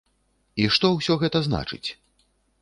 І што ўсё гэта значыць?